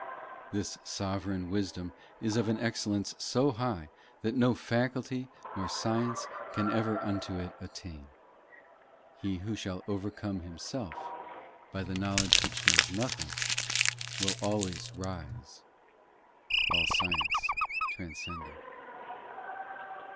VII This sovereign wisdom Is of an excellence so high That no faculty nor science Can ever unto it attain. He who shall overcome himself By the knowledge which knows nothing, Will always rise all science transcending.